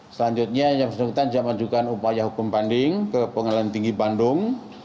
selanjutnya yang bersangkutan dia menunjukkan upaya hukum banding ke pengadilan tinggi bandung